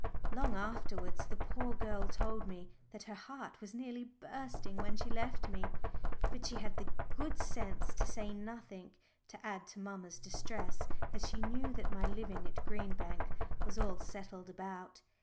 Long afterwards the poor girl told me that her heart was nearly bursting when she left me, but she had the good sense to say nothing to add to mamma's distress, as she knew that my living at Green Bank was all settled about.